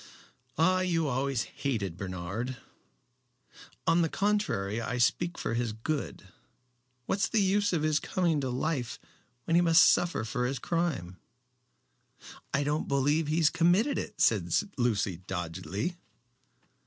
"Ah! You always hated Bernard." "On the contrary, I speak for his good. What's the use of his coming to life when he must suffer for his crime?" "I don't believe he committed it," said Lucy, doggedly.